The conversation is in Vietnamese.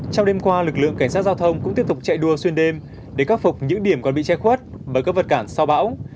trong đêm qua lực lượng cảnh sát giao thông cũng tiếp tục chạy đua xuyên đêm để khắc phục những điểm còn bị che khuất bởi các vật cản sau bão